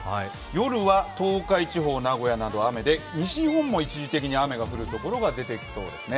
夜は東海地方、名古屋など雨で西日本も一時的に雨が降る所が出てきそうです